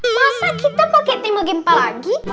masa kita pakai timo gempa lagi